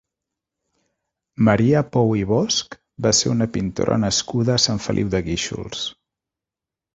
Maria Pou i Bosch va ser una pintora nascuda a Sant Feliu de Guíxols.